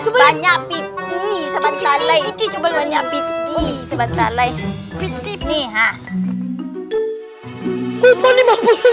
banyak piti sebentar lagi